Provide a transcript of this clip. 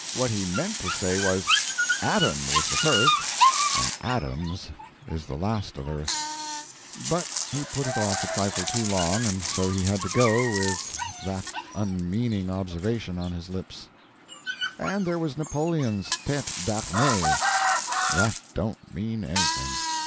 What he meant to say was, "Adam was the first and Adams is the last of earth," but he put it off a trifle too long, and so he had to go with that unmeaning observation on his lips. And there we have Napoleon's "Tete d'armee." That don't mean anything.